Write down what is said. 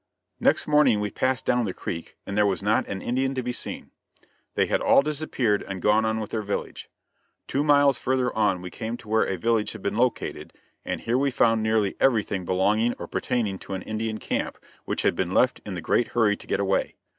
Next morning we passed down the creek and there was not an Indian to be seen. They had all disappeared and gone on with their village. Two miles further on we came to where a village had been located, and here we found nearly everything belonging or pertaining to an Indian camp, which had been left in the great hurry to get away.